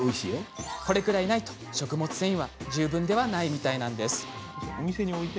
これくらいないと食物繊維は十分ではないみたいなんです。